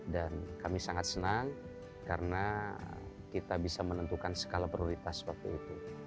dan kami sangat senang karena kita bisa menentukan skala prioritas waktu itu